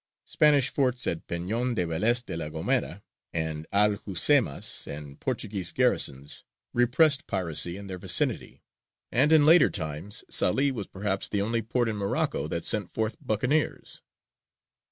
Spanish forts at Peñon de Velez de la Gomera and Alhucemas, and Portuguese garrisons, repressed piracy in their vicinity; and in later times Salē was perhaps the only port in Morocco that sent forth buccaneers.